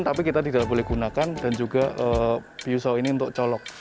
tapi kita tidak boleh gunakan dan juga piusau ini untuk colok